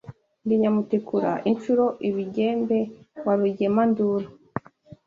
Ndi Nyamutikura inshuro ibigembe wa Rugemanduru